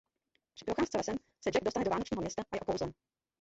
Při procházce lesem se Jack dostane do Vánočního města a je okouzlen.